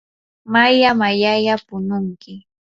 maya mayalla pununki.